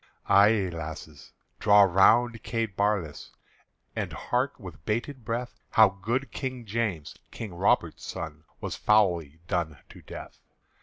Ay, lasses, draw round Kate Barlass, And hark with bated breath How good King James, King Robert's son, Was foully done to death.